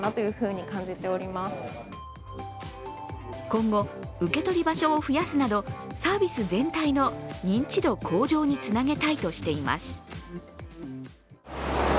今後受け取り場所を増やすなどサービス全体の認知度向上につなげたいとしています。